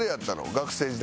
学生時代は。